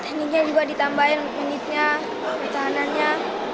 tekniknya juga ditambahin penyitnya pertahanannya